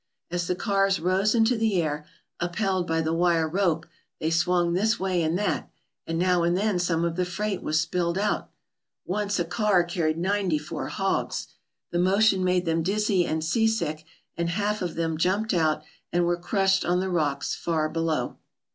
As the cars rose into the air, upheld by the wire rope, they swung this way and that, and now and then some of the freight was spilled out. Once a car carried ninety four hogs. The motion made them dizzy and seasick and half of them jumped out and were crushed on the rocks far below.